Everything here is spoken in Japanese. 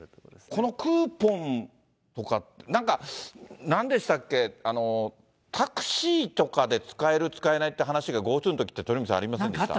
このクーポンとか、なんか、なんでしたっけ、タクシーとかで使える、使えないっていう話がＧｏＴｏのときって、鳥海さん、ありませんでした？